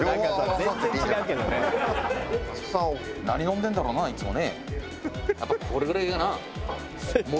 何飲んでるんだろうないつもね。